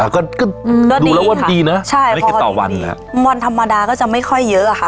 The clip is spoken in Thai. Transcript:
อ่ะก็ก็ดูแล้ววันดีนะใช่วันธรรมดาก็จะไม่ค่อยเยอะค่ะ